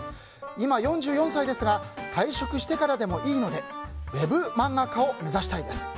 今４４歳ですが退職してからでもいいのでウェブ漫画家を目指したいです。